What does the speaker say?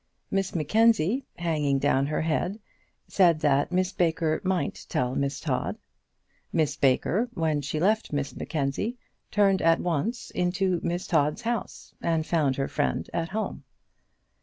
Miss Mackenzie, hanging down her head, said that Miss Baker might tell Miss Todd. Miss Baker, when she left Miss Mackenzie, turned at once into Miss Todd's house, and found her friend at home.